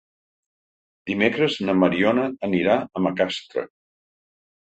Dimecres na Mariona anirà a Macastre.